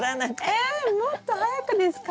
えもっと早くですか？